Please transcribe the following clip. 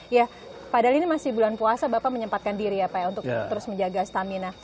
ya padahal ini masih bulan puasa bapak menyempatkan diri ya pak ya untuk terus menjaga stamina